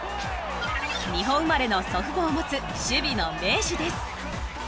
日本生まれの祖父母を持つ守備の名手です。